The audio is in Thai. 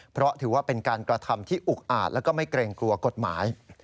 เพราะถือว่าเป็นการกระทำที่อุกอาจแล้วก็ไม่เกรงกลัวกฎหมาย